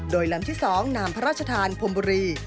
โดยลำที่๒นามพระราชทานพรมบุรี